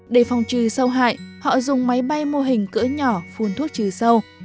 để phòng trừ sâu hại họ dùng máy bay mô hình cỡ nhỏ phun thuốc trừ sâu